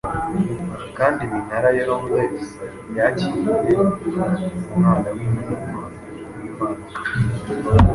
kandi iminara ya Londres Yakiriye Umwana w'intama w'Imana gutura